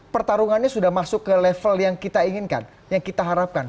pertarungannya sudah masuk ke level yang kita inginkan yang kita harapkan